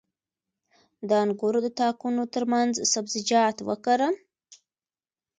د انګورو د تاکونو ترمنځ سبزیجات وکرم؟